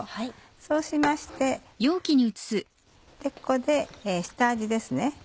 そうしましてここで下味ですね。